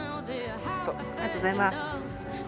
ありがとうございます。